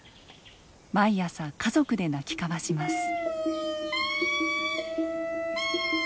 毎朝家族で鳴き交わします。